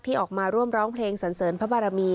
ออกมาร่วมร้องเพลงสันเสริญพระบารมี